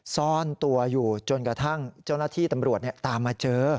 ซ่อนตัวอยู่จนกระทั่งเจ้าหน้าที่ตำรวจตามมาเจอ